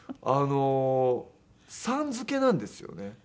あの「さん」付けなんですよね。